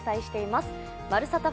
「まるサタ」